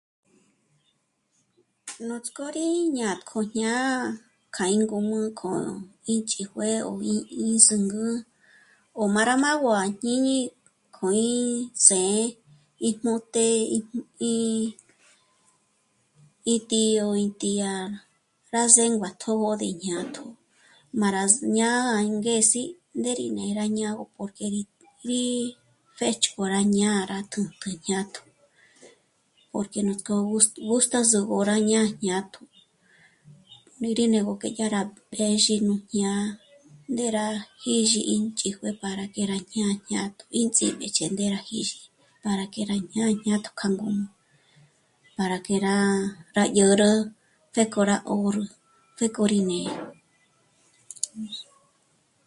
Nuts'k'ó rí ñátk'o ñá'a k'a í ngum'ü k'ó ínchíjué mí y zǚngü o má rá nguá'a à jñíñi k'o ínsé'e íjmùjte ítío ítía, rá zéngua tjö̌pji jñátjo. Má rá zǜñá'a angezi ndé rí né'e rá ñágö porque rí... rí pjéch'k'o rá ñá'a rá tjǚntjü jñátjo porque nuts'k'ó ró gusta só'o rá jñá'a jñátjo mí rí né'egö k'e yá rá pézhi nú jñá'a ndé rá jízhi ínchíjué para que rá jñá'a jñátjo ínts'ímbéjche ndé rá 'íxi para que rá jñá'a jñátjo kja ngǔm'ü para que rá dyä̀rä pjéko rá 'órü, pjéko rí né'e